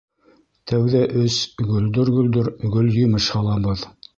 — Тәүҙә өс гөлдөр-гөлдөр гөлйемеш һалабыҙ.